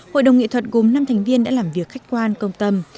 hội đồng nghệ thuật gồm năm thành viên đã làm việc khách quan công tâm